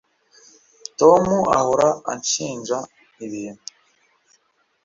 Tom ahora anshinja ibintu